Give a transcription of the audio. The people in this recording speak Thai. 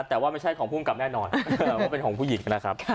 แต่ว่าไม่ใช่ของภูมิกับแน่นอนว่าเป็นของผู้หญิงนะครับ